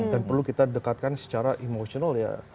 dan perlu kita dekatkan secara emosional ya